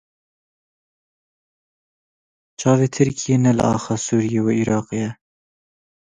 Çavê Tirkiyê ne li axa Sûriye û Iraqê ye.